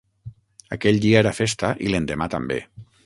Aquell dia era festa i l'endemà també.